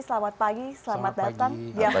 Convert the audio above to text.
selamat pagi selamat datang